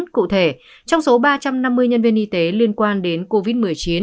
cụ thể trong số ba trăm năm mươi nhân viên y tế liên quan đến covid một mươi chín